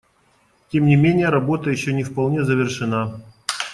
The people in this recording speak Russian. Тем не менее, работа еще не вполне завершена.